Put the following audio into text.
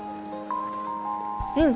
うん！